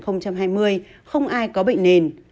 không ai có bệnh nền